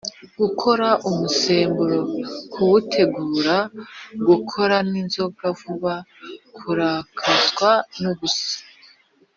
guteka umusemburo: kuwutegura; gukorwa n’inzoga vuba; kurakazwa n’ubusa